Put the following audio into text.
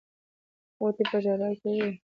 غوټۍ په ژړا کې وويل.